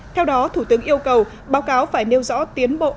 theo đó thủ tướng yêu cầu báo cáo phải nêu rõ tiến bộ